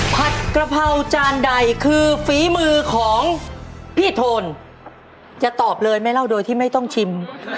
ผัดกระเพราจานใดคือฝีมือของพี่โทนจะตอบเลยไม่เล่าโดยที่ไม่ต้องชิม